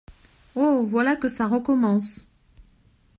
Oh ! voilà que ça recommence !